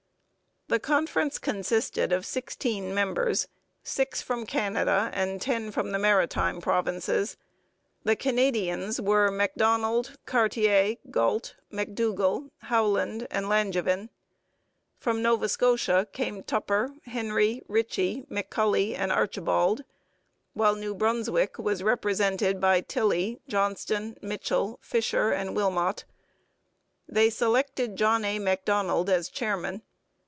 The conference consisted of sixteen members, six from Canada and ten from the Maritime Provinces. The Canadians were Macdonald, Cartier, Galt, McDougall, Howland, and Langevin. From Nova Scotia came Tupper, Henry, Ritchie, McCully, and Archibald; while New Brunswick was represented by Tilley, Johnston, Mitchell, Fisher, and Wilmot. They selected John A. Macdonald as chairman.